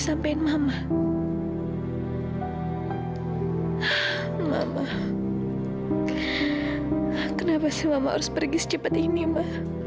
sampai jumpa di video selanjutnya